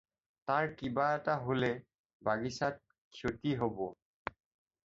তাৰ কিবা এটা হ'লে বাগিচাৰ ক্ষতি হ'ব।